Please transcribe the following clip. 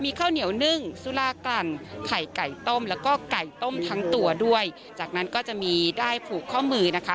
ข้าวเหนียวนึ่งสุรากลั่นไข่ไก่ต้มแล้วก็ไก่ต้มทั้งตัวด้วยจากนั้นก็จะมีได้ผูกข้อมือนะคะ